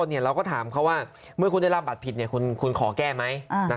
เราก็ถามเขาว่าเมื่อคุณได้รับบัตรผิดคุณขอแก้ไหม